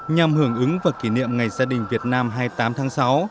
nhằm hưởng ứng và kỷ niệm ngày gia đình việt nam hai mươi tám tháng sáu